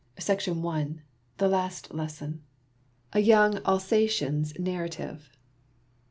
A MONDAY TALES. THE LAST LESSON. A YOUNG ALSATIAN'S NARRATIVE.